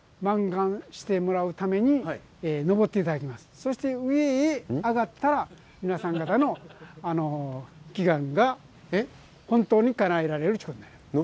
そして上へ上がったら皆さん方の祈願が本当にかなえられると。